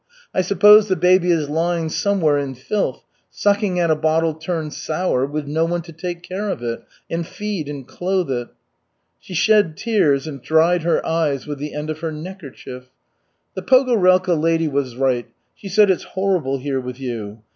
I suppose the baby is lying somewhere in filth, sucking at a bottle turned sour, with no one to take care of it, and feed and clothe it." She shed tears and dried her eyes with the end of her neckerchief. "The Pogorelka lady was right; she said it's horrible here with you.